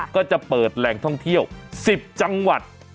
ก็จะเปิดแหล่งท่องเที่ยว๑๐จังหวัด